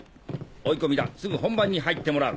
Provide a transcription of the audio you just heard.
追い込みだすぐ本番に入ってもらう。